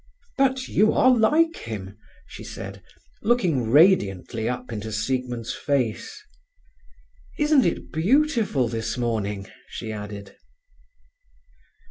But you are like him," she said, looking radiantly up into Siegmund's face. "Isn't it beautiful this morning?" she added.